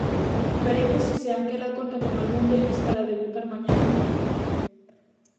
Veremos se Anquela conta con algún deles para debutar mañá en Riazor.